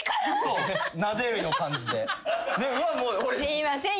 すいません。